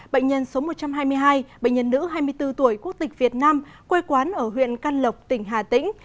bệnh nhân số một trăm hai mươi hai bệnh nhân nữ hai mươi bốn tuổi quốc tịch việt nam quê quán ở huyện căn lộc tỉnh hà tĩnh